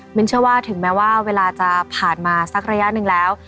นเชื่อว่าถึงแม้ว่าเวลาจะผ่านมาสักระยะหนึ่งแล้ว